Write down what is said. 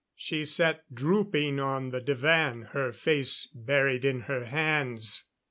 She sat drooping on the divan, her face buried in her hands.